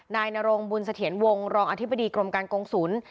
นายนรงบุญเสถียรวงรองอธิบดีกรมการกงศูนย์